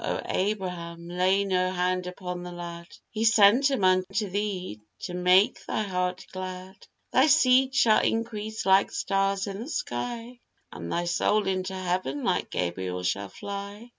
O, Abraham! lay no hand upon the lad, He sent him unto thee to make thy heart glad; Thy seed shall increase like stars in the sky, And thy soul into heaven like Gabriel shall fly.